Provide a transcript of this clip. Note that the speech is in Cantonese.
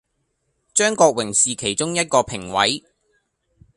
張國榮是其中一個評委